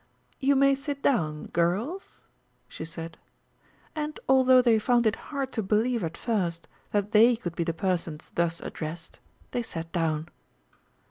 "You may sit down, girls," she said, and although they found it hard to believe at first that they could be the persons thus addressed, they sat down.